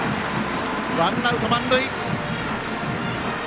ワンアウト、満塁！